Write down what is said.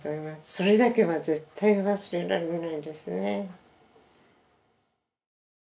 それだけは絶対忘れられないですね。